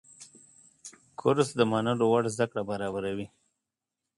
کورس د منلو وړ زده کړه برابروي.